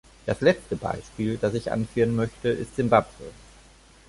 Das letzte Beispiel, das ich anführen möchte, ist Simbabwe.